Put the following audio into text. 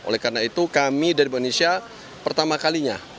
oleh karena itu kami dari indonesia pertama kalinya